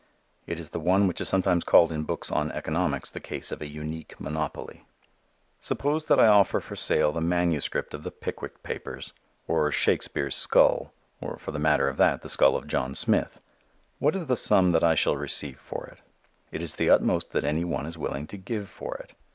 It is the one which is sometimes called in books on economics the case of an unique monopoly. Suppose that I offer for sale the manuscript of the Pickwick Papers, or Shakespere's skull, or, for the matter of that, the skull of John Smith, what is the sum that I shall receive for it? It is the utmost that any one is willing to give for it.